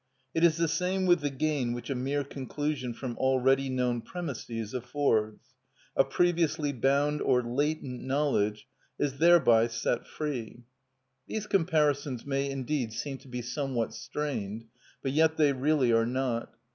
It is the same with the gain which a mere conclusion from already known premisses affords: a previously bound or latent knowledge is thereby set free. These comparisons may indeed seem to be somewhat strained, but yet they really are not.